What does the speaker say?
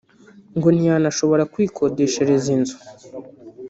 ngo ntiyanashobora kwikodeshereza inzu